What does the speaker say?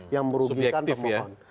yang merugikan pemohon